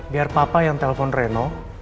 biar papa yang telpon reno